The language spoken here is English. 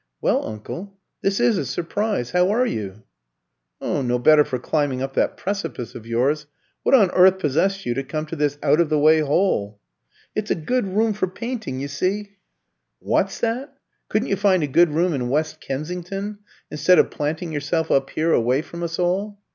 "Well, uncle, this is a surprise! How are you?" "No better for climbing up that precipice of yours. What on earth possessed you to come to this out of the way hole?" "It's a good room for painting, you see " "What's that? Couldn't you find a good room in West Kensington, instead of planting yourself up here away from us all?"